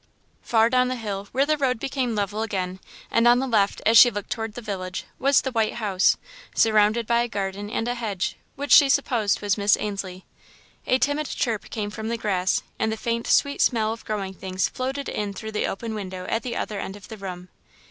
Far down the hill, where the road became level again, and on the left as she looked toward the village, was the white house, surrounded by a garden and a hedge, which she supposed was Miss Ainslie's. A timid chirp came from the grass, and the faint, sweet smell of growing things floated in through the open window at the other end of the room.